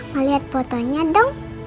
mau liat fotonya dong